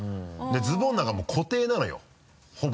ズボンなんかもう固定なのよほぼ。